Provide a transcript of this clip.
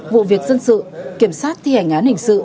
vụ việc dân sự kiểm sát thi hành án hình sự